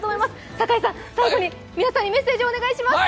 堺さん、最後に皆さんにメッセージをお願いします。